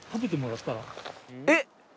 えっ？